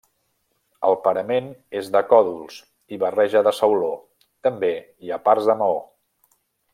El parament és de còdols i barreja de sauló, també hi ha parts de maó.